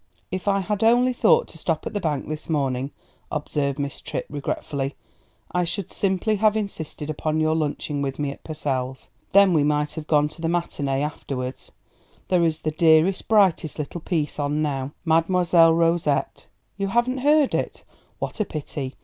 "If I had only thought to stop at the bank this morning," observed Miss Tripp regretfully, "I should simply have insisted upon your lunching with me at Purcell's; then we might have gone to the matinée afterward; there is the dearest, brightest little piece on now 'Mademoiselle Rosette.' You haven't heard it? What a pity!